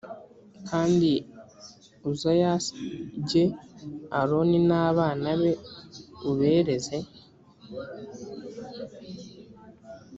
kandi uzayas ge aroni n abana be ubereze